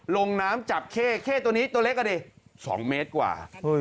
ลงน้ำจับเข้เข้ตัวนี้ตัวเล็กอ่ะดิ๒เมตรกว่า